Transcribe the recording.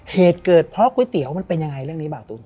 เหตุเกิดเพราะก๋วยเตี๋ยวมันเป็นยังไงเรื่องนี้เบาตุ้น